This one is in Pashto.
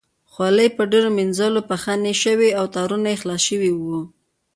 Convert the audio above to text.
خولۍ په ډېرو مینځلو پښنې شوې او تارونه یې خلاص شوي وو.